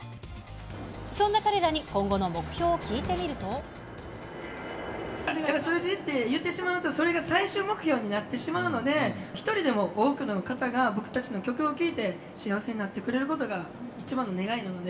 そんな彼らに今後の目標を聞いてやっぱり数字って言ってしまうと、それが最終目標になってしまうので、一人でも多くの方が僕たちの曲を聴いて、幸せになってくれることが、一番の願いなので。